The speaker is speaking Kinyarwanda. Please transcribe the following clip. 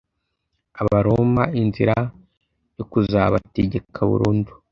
Abaroma inzira yo kuzabategeka burundu.